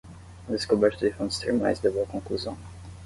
A descoberta de fontes termais levou à conclusão